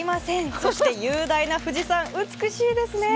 そして雄大な富士山、美しいですね